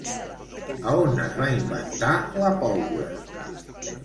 A on es va inventar la pólvora?